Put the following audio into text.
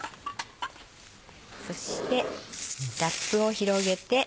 そしてラップを広げて。